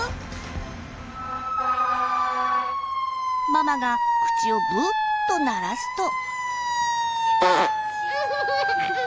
ママが口を「ぶぅ」と鳴らすと。